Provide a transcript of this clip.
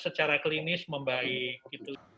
secara klinis membaik